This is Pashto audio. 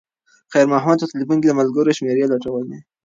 خیر محمد په تلیفون کې د ملګرو شمېرې لټولې.